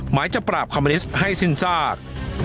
หมายจะปราบคอมมิวนิสต์ให้สิ้นซาก